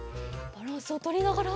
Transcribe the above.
バランスをとりながら。